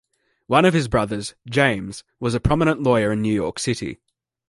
One of his brothers, James, was a prominent lawyer in New York City.